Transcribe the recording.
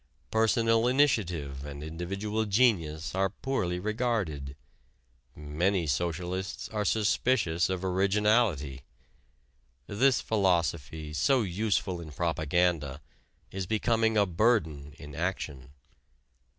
Personal initiative and individual genius are poorly regarded: many socialists are suspicious of originality. This philosophy, so useful in propaganda, is becoming a burden in action.